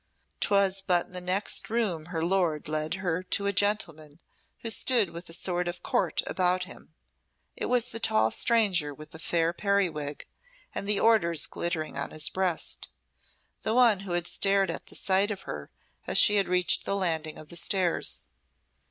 'Twas but in the next room her lord led her to a gentleman who stood with a sort of court about him. It was the tall stranger, with the fair periwig, and the orders glittering on his breast the one who had started at sight of her as she had reached the landing of the stairs.